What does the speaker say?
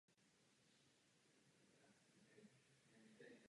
Zajímavě řešené je rovněž oplocení a vstupní brány.